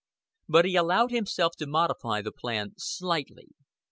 But he allowed himself to modify the plan slightly.